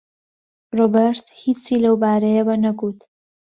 ڕۆبەرت هیچی لەو بارەیەوە نەگوت.